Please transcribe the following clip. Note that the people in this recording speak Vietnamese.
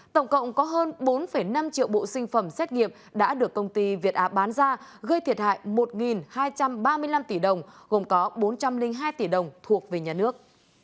tổng cộng có hơn bốn năm triệu bộ sinh phẩm xét nghiệm đã được công ty việt á bán ra gây thiệt hại một hai trăm ba mươi năm tỷ đồng gồm có bốn trăm linh hai tỷ đồng thuộc về nhà nước